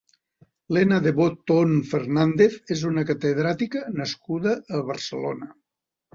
Lena de Botton Fernández és una catedràtica nascuda a Barcelona.